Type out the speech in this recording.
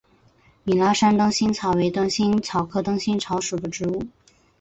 米拉山灯心草为灯心草科灯心草属的植物。